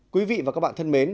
quý vị và các bạn thân mến